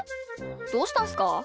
どうしたんすか？